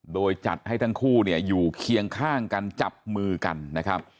โดยจัดให้ทั้งคู่เนี่ยอยู่เคียงข้างกันจับมือกันนะครับ